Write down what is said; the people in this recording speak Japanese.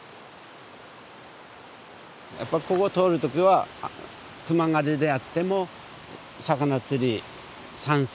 やっぱここ通る時は熊狩りであっても魚釣り山菜